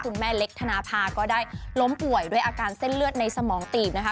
แม่เล็กธนภาก็ได้ล้มป่วยด้วยอาการเส้นเลือดในสมองตีบนะคะ